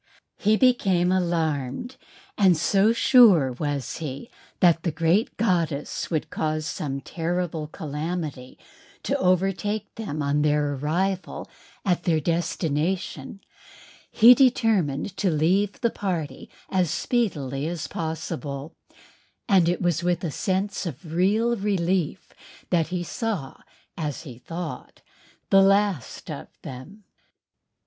He became alarmed and so sure was he that the great goddess would cause some terrible calamity to overtake them on their arrival at their destination he determined to leave the party as speedily as possible, and it was with a sense of real relief that he saw, as he thought, the last of them.